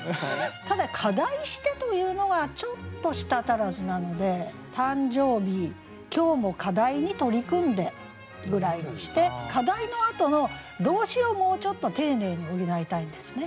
ただ「課題して」というのがちょっと舌足らずなので「誕生日今日も課題に取り組んで」ぐらいにして「課題」のあとの動詞をもうちょっと丁寧に補いたいんですね。